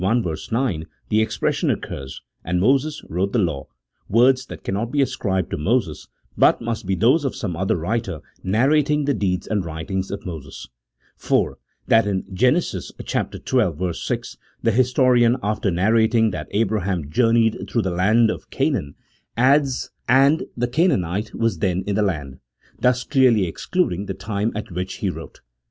9, the expression occurs, " and Moses wrote the law :" words that cannot be ascribed to Moses, but must be those of some other writer narrating the deeds and writings of Moses. IV. That in Genesis xii. 6, the historian, after narrating that Abraham journeyed through the land of Canaan, adds, 122 A THE0L0GIC0 P0LITICAL TREATISE. [CHAP. VIII* "and the Canaanite was then in the land," thus clearly ex cluding the time at which he wrote.